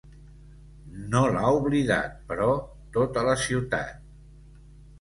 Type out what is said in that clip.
No l’ha oblidat, però, tota la ciutat.